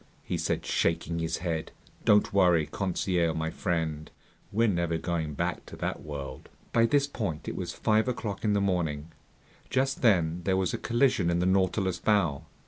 he said, shaking his head. "Don't worry, Conseil my friend, we're never going back to that world!" By this point it was five o'clock in the morning. Just then there was a collision in the Nautilus's bow.